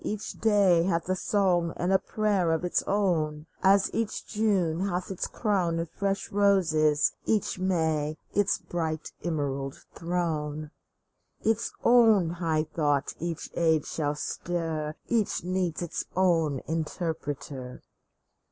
Each day Hath a song and a prayer of its own, As each June hath its crown of fresh roses, each May Its bright emerald throne ! Its own high thought each age shall stir, Each needs its own interpreter